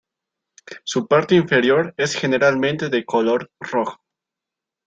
Su parte inferior es generalmente de color rojo.